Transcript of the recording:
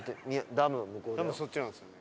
ダムそっちなんですよね。